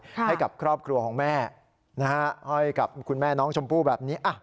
ให้กับครอบครัวของแม่ให้กับคุณแม่น้องชมพู่แบบนี้